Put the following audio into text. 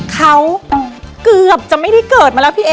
เขาเกือบจะไม่ได้เกิดมาแล้วพี่เอ๊